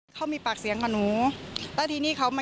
ตลอดทั้งคืนตลอดทั้งคืนตลอดทั้งคืน